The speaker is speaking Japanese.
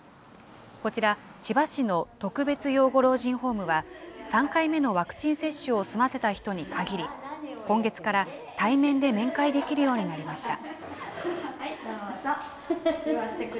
こちら、千葉市の特別養護老人ホームは、３回目のワクチン接種を済ませた人に限り、今月から、対面で面会できるようになりました。